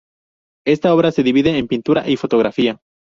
Esta obra se divide en pintura y fotografía.